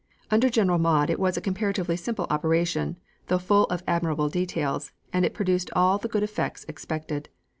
Under General Maude it was a comparatively simple operation, though full of admirable details, and it produced all the good effects expected.